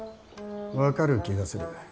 分かる気がする。